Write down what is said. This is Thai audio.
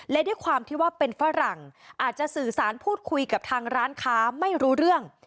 และด้วยความที่ว่าเป็นฝรั่งอาจจะสื่อสารพูดคุยกับทางร้านค้าไม่รู้เรื่อง